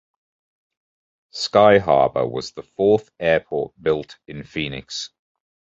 Sky Harbor was the fourth airport built in Phoenix.